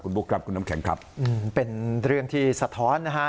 บุ๊คครับคุณน้ำแข็งครับเป็นเรื่องที่สะท้อนนะฮะ